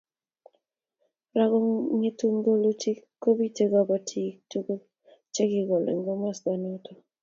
ra ko ng'otoni kolutik kobitei kiboitinik tuguk chekikool eng komosato